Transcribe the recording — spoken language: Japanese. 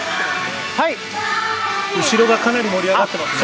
後ろがかなり盛り上がってますね。